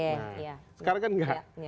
nah sekarang kan tidak